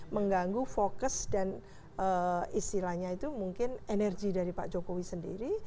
mengganggu fokus dan istilahnya itu mungkin energi dari pak jokowi sendiri